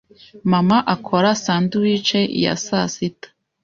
Mama akora sandwiches ya sasita.